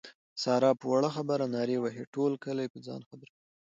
ساره په وړه خبره نارې وهي ټول کلی په ځان خبر کړي.